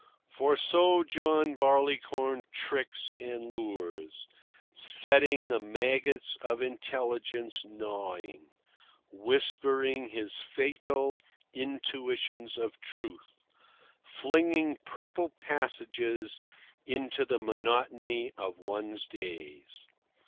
For so John Barleycorn tricks and lures, setting the maggots of intelligence gnawing, whispering his fatal intuitions of truth, flinging purple passages into the monotony of one's days.